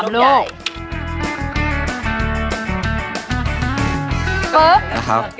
๓ลูก